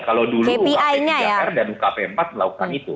kalau dulu ukp tiga r dan ukp empat melakukan itu